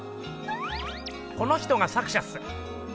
この人が作者っす。